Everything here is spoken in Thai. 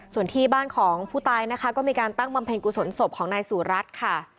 ส่วนที่บ้านของผู้ตายนะคะก็มีการตั้งบำเพ็ญกุศลศพของนายสุรัตน์ค่ะ